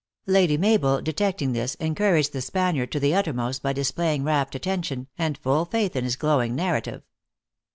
Lady Mabel, detecting this, encouraged the Spaniard to the uttermost by display ing rapt attention, and full faith in his glowing nar rative.